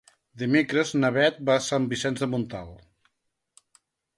Dimecres na Bet va a Sant Vicenç de Montalt.